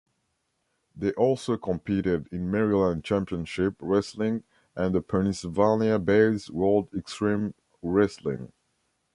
They also competed in Maryland Championship Wrestling and the Pennsylvania-based World Xtreme Wrestling.